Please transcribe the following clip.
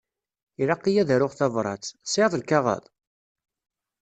Ilaq-iyi ad aruɣ tabrat. Tesεiḍ lkaɣeḍ?